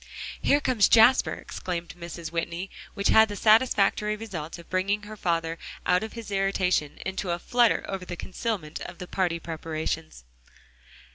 "Here comes Jasper," exclaimed Mrs. Whitney, which had the satisfactory result of bringing her father out of his irritation, into a flutter over the concealment of the party preparations.